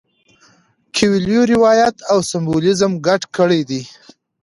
کویلیو روایت او سمبولیزم ګډ کړي دي.